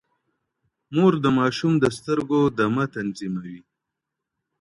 مور د ماشوم د سترګو دمه تنظيموي.